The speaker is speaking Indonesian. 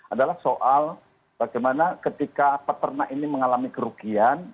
adalah soal bagaimana ketika peternak ini mengalami kerugian